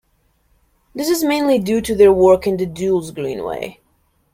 This is mainly due to their work in the Dulles Greenway.